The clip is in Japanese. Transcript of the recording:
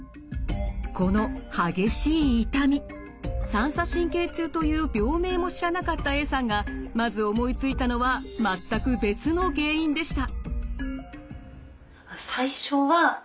三叉神経痛という病名も知らなかったＡさんがまず思いついたのは全く別の原因でした。